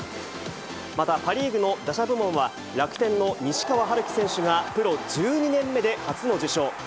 また、パ・リーグの打者部門は、楽天の西川遥輝選手が、プロ１２年目で初の受賞。